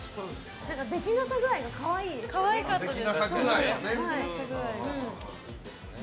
できなさ具合が可愛いですね。